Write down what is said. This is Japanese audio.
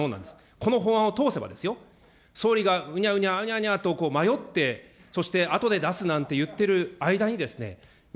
この法案を通せばですよ、総理がうにゃうにゃあにゃにゃあと迷って、そしてあとで出すなんて言ってる間に、２、